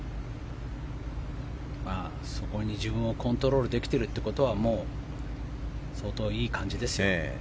そこに自分をコントロールできているってことはもう相当いい感じですよ。